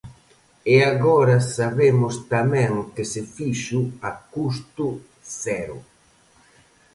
E agora sabemos tamén que se fixo a custo cero.